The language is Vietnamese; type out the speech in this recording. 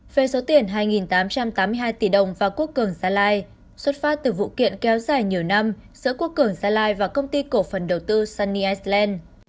về số tiền hai tám trăm tám mươi hai tỷ đồng và quốc cường gia lai xuất phát từ vụ kiện kéo dài nhiều năm giữa quốc cường gia lai và công ty cổ phần đầu tư sunny island